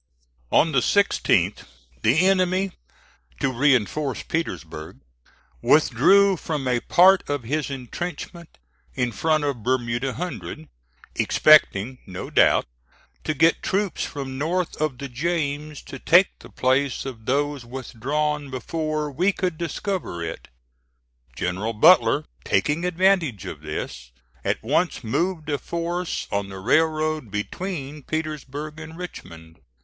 On the 16th the enemy, to reinforce Petersburg, withdrew from a part of his intrenchment in front of Bermuda Hundred, expecting, no doubt, to get troops from north of the James to take the place of those withdrawn before we could discover it. General Butler, taking advantage of this, at once moved a force on the railroad between Petersburg and Richmond.